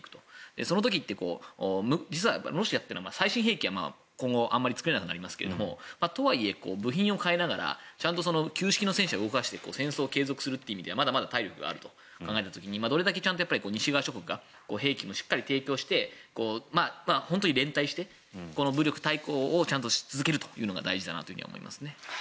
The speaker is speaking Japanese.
その時って実はロシアは最新兵器は今後あまり作れなくなりますがとはいえ部品を買いながら旧式の戦車を動かして戦争を継続するという意味でまだまだ体力があると考えた時にどれだけちゃんと西側諸国が兵器をしっかり提供して本当に連帯して武力対抗をちゃんとし続けるというのが大事だなというふうに思いますね。